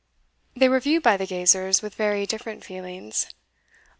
They were viewed by the gazers with very different feelings.